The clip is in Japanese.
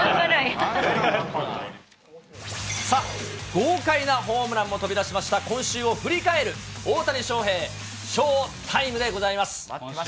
豪快なホームランも飛び出しました、今週を振り返る、大谷翔平ショータイムでございます。